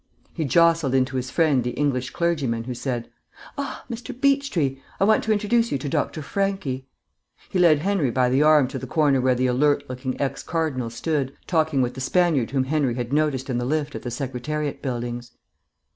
He jostled into his friend the English clergyman, who said, "Ah, Mr. Beechtree. I want to introduce you to Dr. Franchi." He led Henry by the arm to the corner where the alert looking ex cardinal stood, talking with the Spaniard whom Henry had noticed in the lift at the Secretariat buildings.